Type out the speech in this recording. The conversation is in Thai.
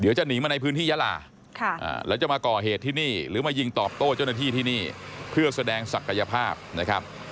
เดี๋ยวจะหนีมาในพื้นที่ยาลาแล้วจะมาก่อเหตุที่นี่หรือมายิงตอบโต้เจ้าหน้าที่ที่นี่เพื่อแสดงศักยภาพนะครับ